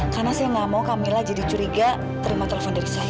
karena saya nggak mau kamila jadi curiga terima telepon dari saya